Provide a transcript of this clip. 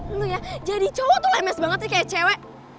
eh lo ya jadi cowok tuh lemes banget nih kayak cewek